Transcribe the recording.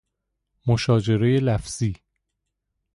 مشاجره لفظی